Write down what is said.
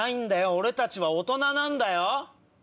俺たちは大人なんだよ？